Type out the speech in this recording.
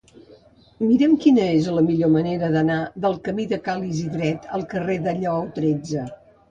Mira'm quina és la millor manera d'anar del camí de Ca l'Isidret al carrer de Lleó tretze.